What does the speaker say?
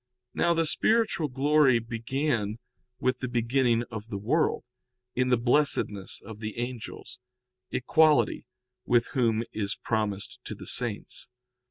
Now the spiritual glory began with the beginning of the world, in the blessedness of the angels, equality with whom is promised to the saints.